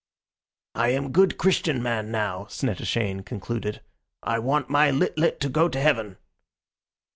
"I am good Christian man now," Snettishane concluded. "I want my Lit lit to go to heaven."